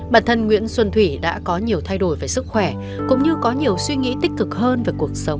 bản thân nguyễn xuân thủy đã có nhiều thay đổi về sức khỏe cũng như có nhiều suy nghĩ tích cực hơn về cuộc sống